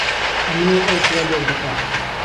ئهمن و ئهو دڵه لێک دهکا